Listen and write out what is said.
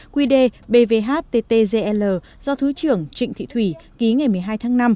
quy đề bvhttgl do thứ trưởng trịnh thị thủy ký ngày một mươi hai tháng năm